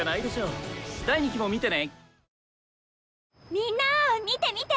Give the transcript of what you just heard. みんな見て見て！